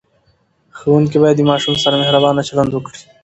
ښوونکي باید د ماشوم سره مهربانه چلند وکړي.